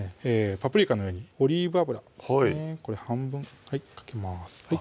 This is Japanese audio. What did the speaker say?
パプリカの上にオリーブ油ですねこれ半分かけます